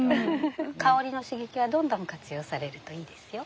香りの刺激はどんどん活用されるといいですよ。